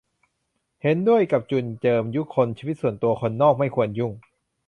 เห็นด้วยกับจุลเจิม ยุคล ชีวิตส่วนตัว คนนอกไม่ควรยุ่ง